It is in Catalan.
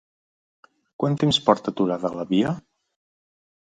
Quant temps porta aturada la via?